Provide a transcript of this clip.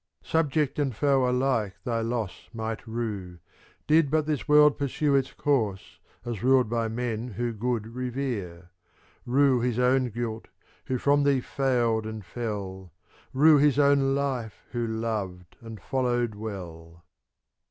Subject and foe alike thy loss might rue, Did but this world pursue Its course as ruled by men who good revere, —^ Rue his own guilt, who from thee failed and fell,— Rue his own life, who loved and followed well.